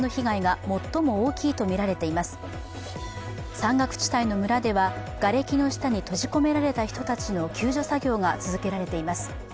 山岳地帯の村ではがれきの下に閉じ込められた人たちの救助作業が続けられています。